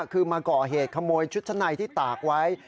คือมาก่อเหตุขโมยชุดชั้นในที่ตากไว้